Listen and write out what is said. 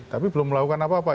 tapi belum melakukan apa apa